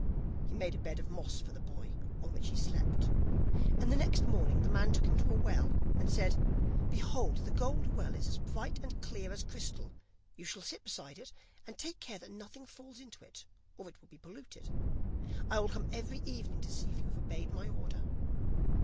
He made a bed of moss for the boy on which he slept, and the next morning the man took him to a well, and said: 'Behold, the gold well is as bright and clear as crystal, you shall sit beside it, and take care that nothing falls into it, or it will be polluted. I will come every evening to see if you have obeyed my order.